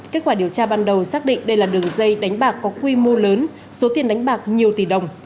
kết quả điều tra ban đầu xác định đây là đường dây đánh bạc có quy mô lớn số tiền đánh bạc nhiều tỷ đồng